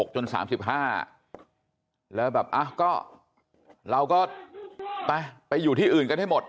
จนสามสิบห้าแล้วแบบอะก็เราก็ไปไปอยู่ที่อื่นกันให้หมด